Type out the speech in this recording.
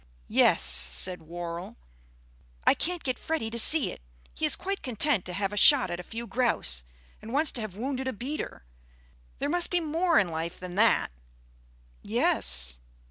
"Yes," said Worrall. "I can't get Freddy to see it. He is quite content to have shot a few grouse ... and once to have wounded a beater. There must be more in life than that." "Yes."